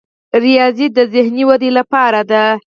ریاضي د ذهني ودې لپاره ده.